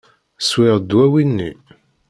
Swiɣ ddwawi-nni.